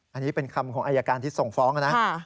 อันนี้เป็นคำของอายการที่ส่งฟ้องนะ